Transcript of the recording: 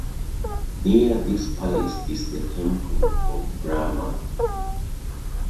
Near this palace is the temple of Brahma.